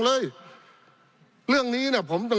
ปี๑เกณฑ์ทหารแสน๒